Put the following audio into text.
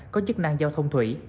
có chức năng giao thông thủy